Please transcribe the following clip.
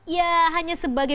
ya hanya sebagai